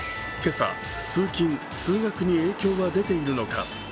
今朝、通勤・通学に影響は出ているのか。